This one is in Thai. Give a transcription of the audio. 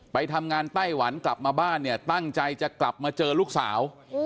ไปทำงานไต้หวันกลับมาบ้านเนี่ยตั้งใจจะกลับมาเจอลูกสาว